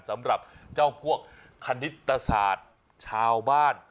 สำหรับเจ้าพวกคณิตศาสตร์ชาวบ้าน